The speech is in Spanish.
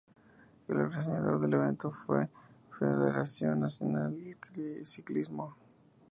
El organizador del evento fue l Federación Nacional del Ciclismo.